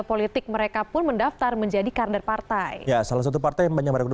politik mereka pun mendaftar menjadi karder partai ya salah satu partai yang menyambarkan